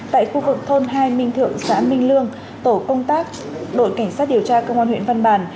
tại khu vực thôn hai minh thượng xã minh lương tổ công tác đội cảnh sát điều tra công an huyện văn bàn